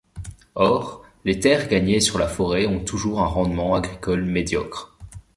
Or, les terres gagnées sur la forêt ont toujours un rendement agricole médiocre.